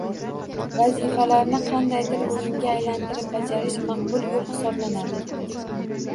Vazifalarni qandaydir o‘yinga aylantirib bajarish maqbul yo‘l hisoblanadi.